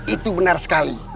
itu benar sekali